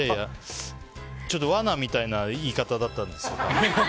ちょっと罠みたいな言い方だったんですよ。